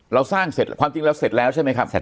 เราสร้างเสร็จความจริงเราเสร็จแล้วใช่ไหมครับ